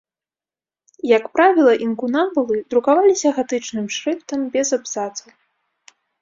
Як правіла, інкунабулы друкаваліся гатычным шрыфтам без абзацаў.